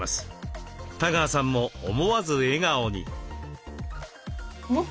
多川さんも思わず笑顔に。